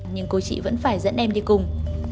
nhưng cô chị vẫn phải dẫn em đi cùng